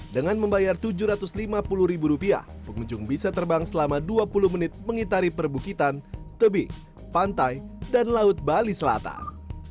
dengan membayar tujuh ratus lima puluh ribu rupiah pengunjung bisa terbang selama dua puluh menit mengitari perbukitan tebing pantai dan laut bali selatan